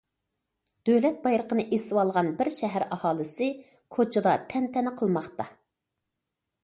دۆلەت بايرىقىنى ئېسىۋالغان بىر شەھەر ئاھالىسى كوچىدا تەنتەنە قىلماقتا.